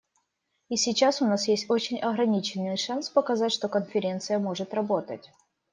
И сейчас у нас есть очень ограниченный шанс показать, что Конференция может работать.